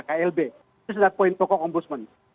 klb itu adalah poin tokoh ombudsman